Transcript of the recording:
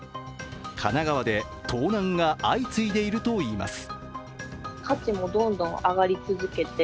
神奈川で盗難が相次いでいるといいます。